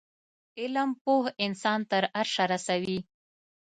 علم پوه انسان تر عرشه رسوی